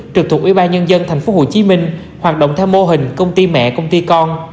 trực thuộc ủy ban nhân dân tp hcm hoạt động theo mô hình công ty mẹ công ty con